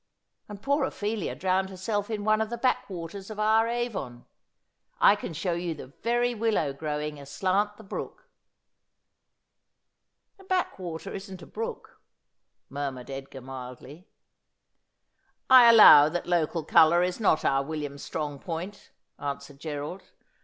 And poor Ophelia drowned herself in one of the backwaters of our Avon. I can show j'ou the very willow grow ing aslant the brook.' ' A backwater isn't a brook,' murmured Edgar mildly. ' I allow that local colour is not our William's strong point,' answered Gerald.